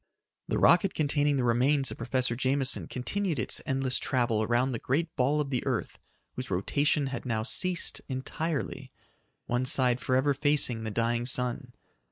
The rocket containing the remains of Professor Jameson continued its endless travel around the great ball of the earth whose rotation had now ceased entirely one side forever facing the dying sun.